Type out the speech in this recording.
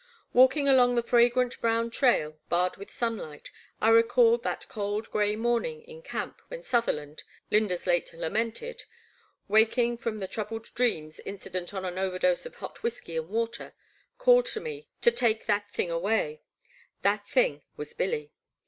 Walking along the fragrant brown trail, barred with sunlight, I recalled that cold gray morning in camp when Sutherland — ^Lynda's late lamented — ^waking from the troubled dreams incident on an overdose of hot whiskey and water, called to me, to take *' that thing away !'*'' That thing was Billy.